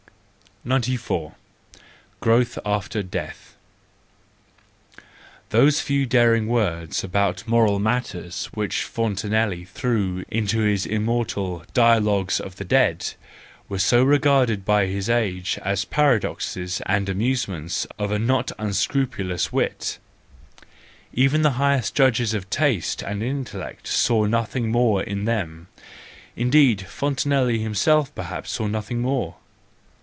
94 Growth after Death .—Those few daring words about moral matters which Fontenelle threw into his immortal Dialogues of the Dead y were regarded by his age as paradoxes and amusements of a not unscrupulous wit; even the highest judges of taste and intellect saw nothing more in them,— indeed, Fontenelle himself perhaps saw nothing more.